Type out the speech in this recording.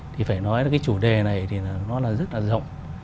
thì phải nói là cái chủ đề này thì nó là rất là rộng